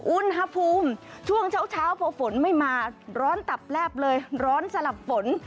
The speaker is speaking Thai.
อุณหภูมิช่วงเช้าพอฝนไม่มาร้อนตับแลบเลยร้อนสลับฝน